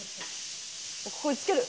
ここにつける。